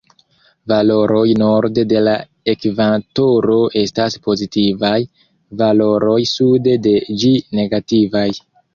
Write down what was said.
Valoroj norde de la ekvatoro estas pozitivaj, valoroj sude de ĝi negativaj.